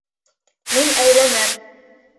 Мин әйләнәм.